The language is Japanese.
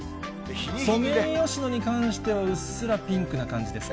ソメイヨシノに関しては、うっすらピンクな感じですか。